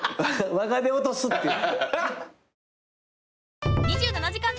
わがで落とすっていう。